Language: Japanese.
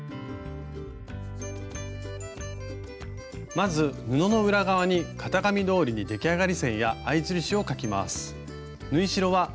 まず布の裏側に型紙どおりに出来上がり線や合い印を描きます。